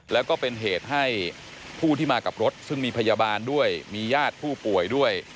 แล้วก็เป็นเหตุให้ผู้ที่มากับรถซึ่งมีพยาบาลด้วยมีญาติผู้ป่วยด้วย